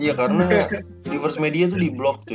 iya karena ya diverse media tuh di block tuh